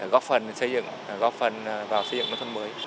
góp phần vào xây dựng nông thôn mới